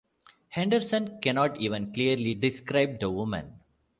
Henderson cannot even clearly describe the woman.